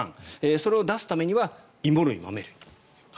それを出すためには芋類、豆類。